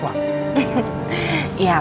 apalagi selera makanan